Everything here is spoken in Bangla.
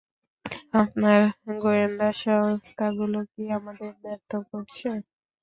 আপনার গোয়েন্দা সংস্থাগুলো কি আমাদের ব্যর্থ করছে?